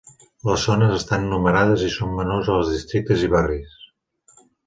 Les zones estan numerades i són menors als districtes i barris.